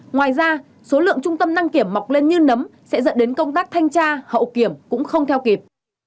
ngoài ra số lượng trung tâm đăng kiểm mọc lên như nấm sẽ dẫn đến công tác thanh tra hậu kiểm cũng không theo kịp